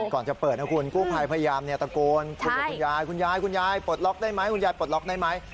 ก่อนจะเปิดนะคุณกูพายพยายามตะโกนคุณยายปลดล็อคได้ไหมคุณยายปลดล็อคได้ไหม